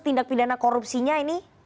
tindak pidana korupsinya ini